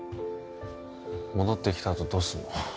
戻ってきたあとどうすんの？